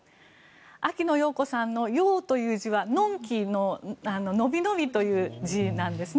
秋野暢子さんの暢子という字はのんきののびのびという字なんですね。